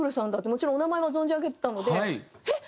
もちろんお名前は存じ上げてたのでえっ！